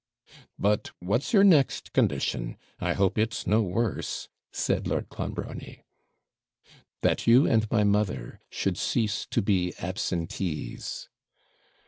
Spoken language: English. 'But what's your next condition? I hope it's no worse,' said Lord Clonbrony. 'That you and my mother should cease to be absentees.'